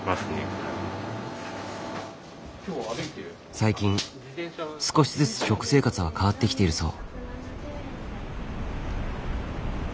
最近少しずつ食生活は変わってきているそう。